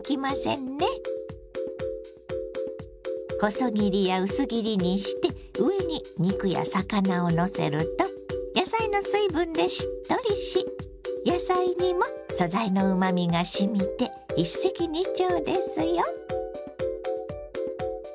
細切りや薄切りにして上に肉や魚をのせると野菜の水分でしっとりし野菜にも素材のうまみがしみて一石二鳥ですよ。